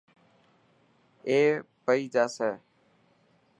اي پئي جاسي.